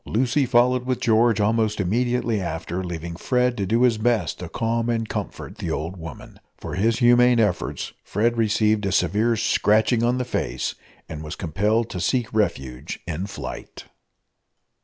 Lucy followed with George almost immediately after, leaving Fred to do his best to calm and comfort the old woman. For his humane efforts Fred received a severe scratching on the face, and was compelled to seek refuge in flight.